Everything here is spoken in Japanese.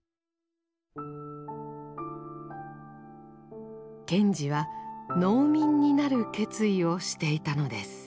賢治は農民になる決意をしていたのです。